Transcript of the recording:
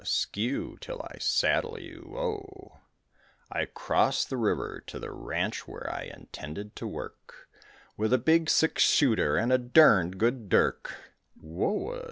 skew, till I saddle you, whoa! I crossed the river to the ranch where I intended to work, With a big six shooter and a derned good dirk, Whoa!